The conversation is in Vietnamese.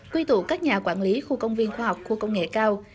quy tụ các nhà quản lý khu công viên khoa học khu công nghệ cao